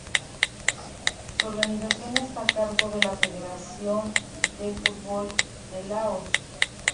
Su organización está a cargo de la Federación de Fútbol de Laos.